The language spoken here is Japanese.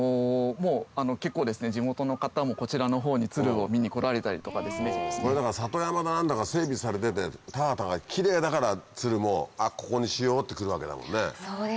結構地元の方もこちらのほうにツルを見に来られたりとかですね。これ里山だ何だが整備されてて田畑がキレイだからツルもここにしようって来るわけだもんね。